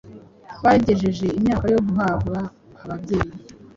bagejeje imyaka yo guhabwa ababyeyi